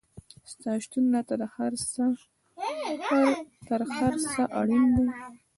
ستا شتون راته تر هر څه اړین دی